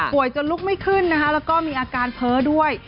จนลุกไม่ขึ้นนะคะแล้วก็มีอาการเพ้อด้วย